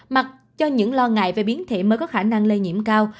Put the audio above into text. mặc cho những lo ngại về biến thể mới có khả năng lây nhiễm cao